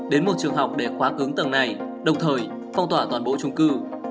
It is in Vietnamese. đến một trường học để khóa cứng tầng này đồng thời phong tỏa toàn bộ trung cư